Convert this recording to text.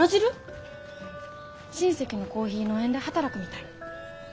親戚のコーヒー農園で働くみたい。